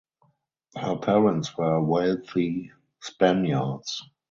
Her parents were wealthy Spaniards.